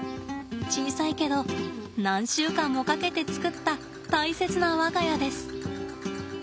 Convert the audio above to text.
小さいけど何週間もかけて作った大切な我が家です。